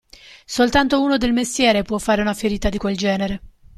Soltanto uno del mestiere può fare una ferita di quel genere.